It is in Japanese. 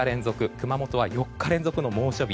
熊本は４日連続の猛暑日。